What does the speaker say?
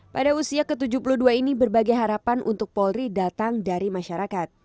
pada usia ke tujuh puluh dua ini berbagai harapan untuk polri datang dari masyarakat